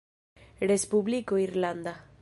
Respubliko Irlanda.